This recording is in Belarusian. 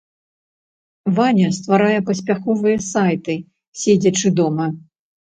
Ваня стварае паспяховыя сайты, седзячы дома.